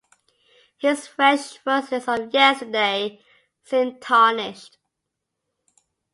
His fresh rosiness of yesterday seemed tarnished.